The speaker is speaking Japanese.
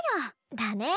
だね。